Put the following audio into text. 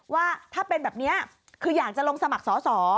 ว่าถ้าเป็นแบบนี้คืออยากจะลงสมัครสอสอ